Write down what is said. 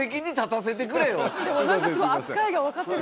何かすごい扱いが分かってる